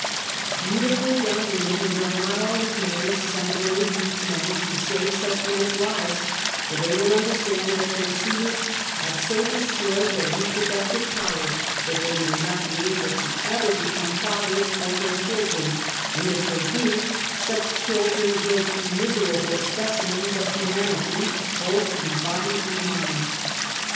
Beautiful young women will not always marry seminally weak men to save such men's lives, for they will understand that their suitors have so destroyed their re productive power, that they may not be able to ever become fathers for their children, and if they do, such children will be miserable specimens of humanity, both in body and mind.